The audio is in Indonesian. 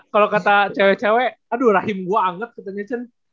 kalau kata cewek cewek aduh rahim gue anget katanya cen